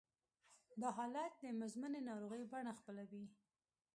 دا حالت د مزمنې ناروغۍ بڼه خپلوي